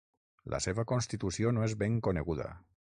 La seva constitució no és ben coneguda.